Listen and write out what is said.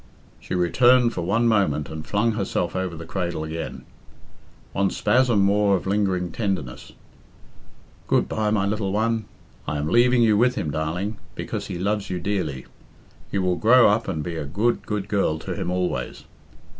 She returned for one moment and flung herself over the cradle again. One spasm more of lingering tenderness. "Good bye, my little one! I am leaving you with him, darling, because he loves you dearly. You will grow up and be a good, good girl to him always.